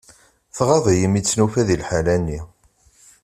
Tɣaḍ-iyi mi tt-nufa di liḥala-nni.